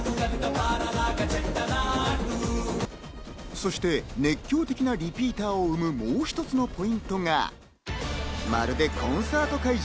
そして熱狂的なリピーターを生む、もう一つのポイントが、まるでコンサート会場！？